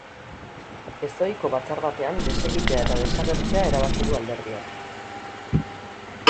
Ezohiko batzar batean desegitea eta desagertzea erabaki du alderdiak.